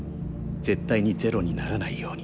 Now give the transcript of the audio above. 絶対にゼロにならないように。